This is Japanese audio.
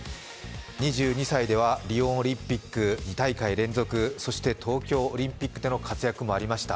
２２歳ではリオオリンピック２大会連続、そして東京オリンピックでの活躍もありました。